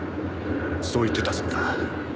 そう言ってたそうだ。